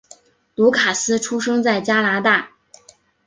卢卡斯出生在加拿大。